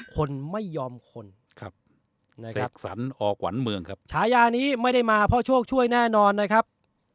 คนไม่ยอมคนครับนะครับสรรออกหวันเมืองครับฉายานี้ไม่ได้มาเพราะโชคช่วยแน่นอนนะครับ